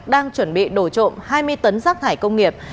đang chuẩn bị đổ trộm hai mươi tấn rác thải công nghiệp